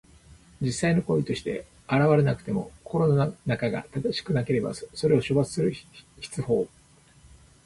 実際の行為として現れなくても、心の中が正しくなければ、それを処罰する筆法。